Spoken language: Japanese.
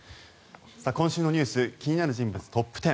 今週のニュース気になる人物トップ１０。